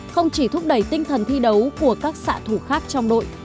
không chỉ thúc đẩy tinh thần thi đấu của các xã thủ khác trong đội